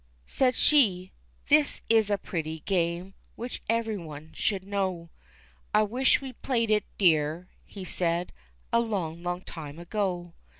Said she, "This is a pretty game, which everyone should know." "I wish we'd played it, dear," he said, "a long, long time ago."